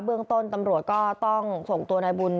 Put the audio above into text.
เรื่องต้นตำรวจก็ต้องส่งตัวนายบุญ